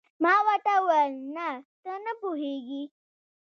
ما ورته وویل: نه، ته نه پوهېږې.